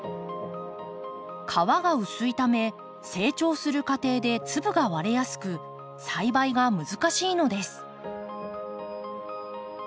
皮が薄いため成長する過程で粒が割れやすく栽培が難しいのです。